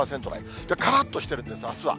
からっとしてるんです、あすは。